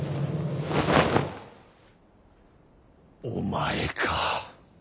お前か。